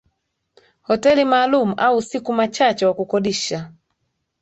hoteli maalum au usiku machache wa kukodisha